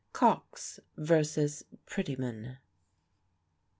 COX VERSUS PRETYMAN.